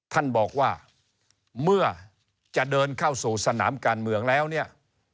ท่านบอกว่าเมื่อจะเดินเข้าสู่สนามการเมืองแล้วเนี่ย